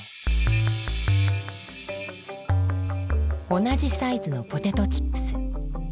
同じサイズのポテトチップス。